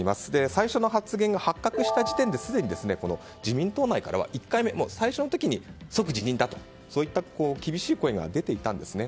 最初の発言が発覚した時点ですでに自民党内からは１回目最初の時点で即辞任だとそういった厳しい声が出ていたんですね。